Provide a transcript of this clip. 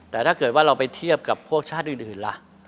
แต่ถ้าเกิดว่าเราไปเทียบกับพวกชาติอื่นล่ะ